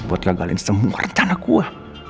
buat gagalin semua rencana gue